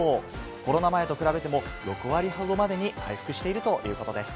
コロナ前と比べても６割ほどまでに回復しているということです。